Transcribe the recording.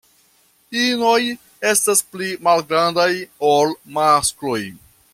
Inoj estas pli malgrandaj ol maskloj.